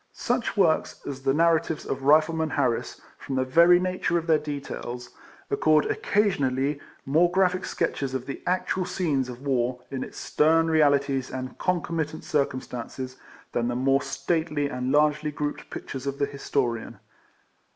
Such works as the narratives of Rifleman Harris, from the very nature of their details, afford occasionally more graphic sketches of the actual scenes of war, in its stern realities and concomitant circumstances, than the more stately and largely grouped pictures of the Historian.